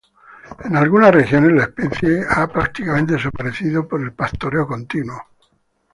En algunas regiones la especie ha prácticamente desaparecido por el pastoreo continuo.